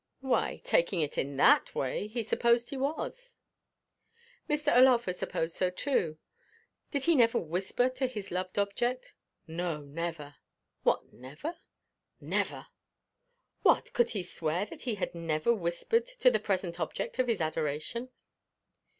Why, taking it in that way, he supposed he was. Mr. O'Laugher supposed so too. Did he never whisper to this loved object? No, never. What, never? Never. What; could he swear that he had never whispered to the present object of his adoration?